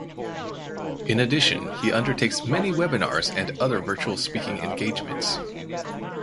In addition he undertakes many webinars and other virtual speaking engagements.